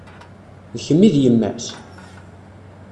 D kemm i d yemma-s?